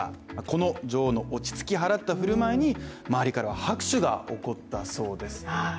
この女王の落ち着き払った振る舞いに周りからは拍手が起こったそうです。